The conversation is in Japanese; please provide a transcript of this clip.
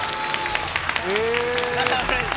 え